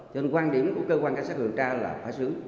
cho nên quan điểm của cơ quan cá sát hướng tra là khả sứ